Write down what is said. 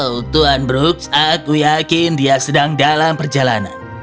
oh tuan brooks aku yakin dia sedang dalam perjalanan